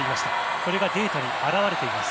それがデータに表れています。